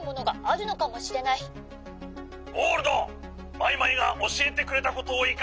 マイマイがおしえてくれたことをいかすときだ。